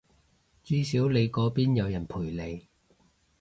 至少你嗰邊有人陪你